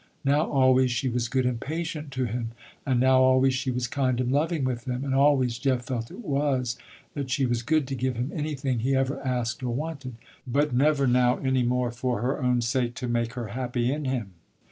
Now always she was good and patient to him, and now always she was kind and loving with him, and always Jeff felt it was, that she was good to give him anything he ever asked or wanted, but never now any more for her own sake to make her happy in him.